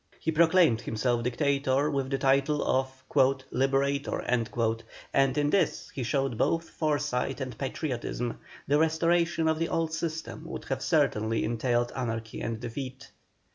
He proclaimed himself Dictator with the title of "Liberator," and in this he showed both foresight and patriotism; the restoration of the old system would have certainly entailed anarchy and defeat.